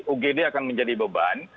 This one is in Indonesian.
ugd akan menjadi beban